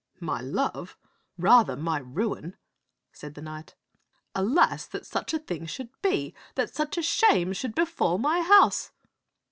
"My love? Rather, my ruin," said the knight. "Alas, that such a thing should be, that such a shame should befall my house!